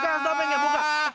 buka siapa yang ngga buka